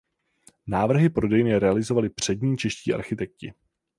Návrhy prodejny realizovali přední čeští architekti.